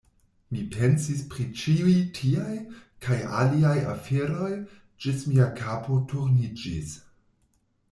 Mi pensis pri ĉiuj tiaj kaj aliaj aferoj, ĝis mia kapo turniĝis.